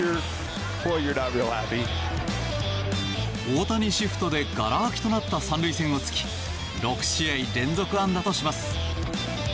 大谷シフトでがら空きとなった３塁線を突き６試合連続安打とします。